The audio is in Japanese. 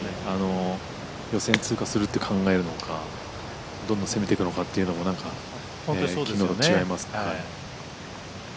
予選通過すると考えるのかどんどん攻めていくのかというのも違いますね。